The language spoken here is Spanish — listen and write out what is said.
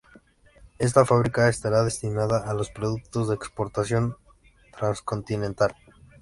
Esa fábrica estará destinada a los productos de exportación transcontinental.